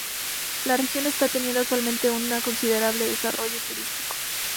La región está teniendo actualmente un considerable desarrollo turístico.